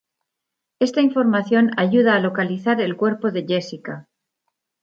Esta información ayuda a localizar el cuerpo de Jessica.